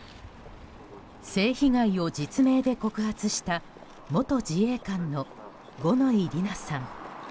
性被害を実名で告発した元自衛官の五ノ井里奈さん。